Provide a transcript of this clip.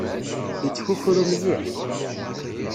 Yettkukru mliḥ.